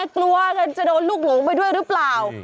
กลัวกันจะโดนลูกหลงไปด้วยหรือเปล่า